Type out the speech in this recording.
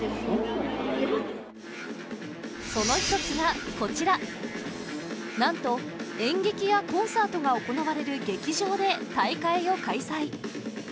その一つがこちらなんと演劇やコンサートが行われる劇場で大会を開催